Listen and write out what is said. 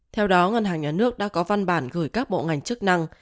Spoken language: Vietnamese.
theo đó ngân hàng nhà nước đã có văn bản gửi các bộ ngành chức năng